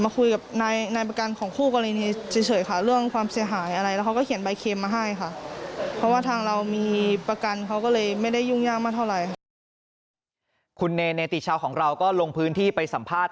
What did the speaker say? คุณเนติชาวของเราก็ลงพื้นที่ไปสัมภาษณ